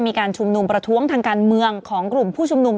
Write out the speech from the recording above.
มีสารตั้งต้นเนี่ยคือยาเคเนี่ยใช่ไหมคะ